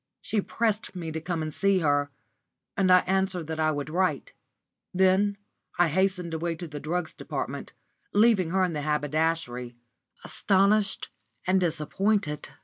She pressed me to come and see her, and I answered that I would write. Then I hastened away to the Drugs Department, leaving her in the Haberdashery, astonished and disappointed.